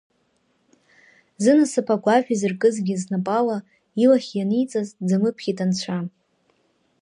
Зынасыԥ агәашә азыркызгьы знапала, илахь ианиҵаз дзамыԥхьеит Анцәа.